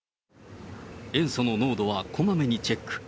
塩素の濃度はこまめにチェック。